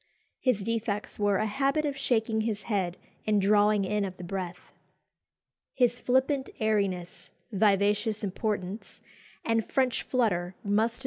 His defects were a habit of shaking his head and drawing in of the breath. His "flippant airiness," "vivacious importance," and "French flutter" must have been in their way perfect.